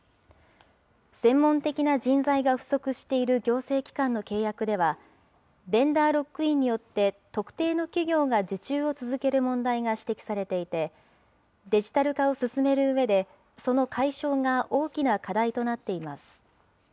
専門的な人材が不足している行政機関の契約では、ベンダーロックインによって特定の企業が受注を続ける問題が指摘されていて、デジタル化を進めるうえで、その解消が大きな課題となっています。